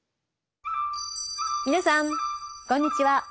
皆さんこんにちは。